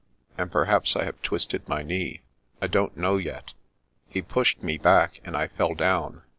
And perhaps I have twisted my knee. I don't know yet. He pushed me back, and I fell down."